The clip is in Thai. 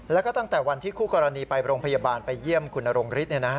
แล้วก็ตั้งแต่วันที่คู่กรณีไปโรงพยาบาลไปเยี่ยมคุณนรงฤทธิ์